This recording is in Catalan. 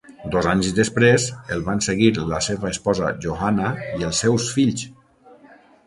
Dos anys després, el van seguir la seva esposa Johanna i els seus fills.